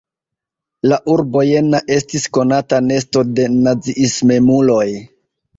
La urbo Jena estis konata nesto de naziismemuloj.